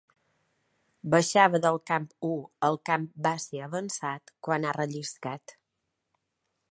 Baixava del camp u al camp base avançat quan ha relliscat.